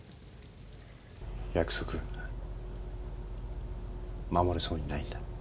約束守れそうにないんだ。